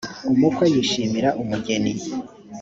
umukwe yishimira umugeni